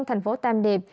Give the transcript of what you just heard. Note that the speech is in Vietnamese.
thành phố tam điệp